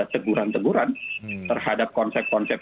teguran teguran terhadap konsep konsep